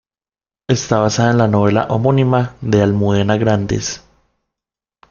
Está basada en la novela homónima de Almudena Grandes.